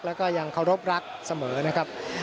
แล้วก็ยังเคารพรักเสมอนะครับ